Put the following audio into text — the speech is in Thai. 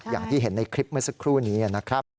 อย่างที่เห็นในคลิปเมื่อสักครู่นี้นะครับ